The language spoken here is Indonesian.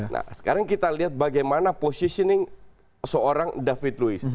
nah sekarang kita lihat bagaimana positioning seorang david louis